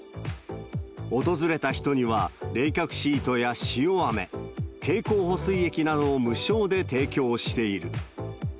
訪れた人には、冷却シートや塩あめ、経口補水液などを無償で提供している。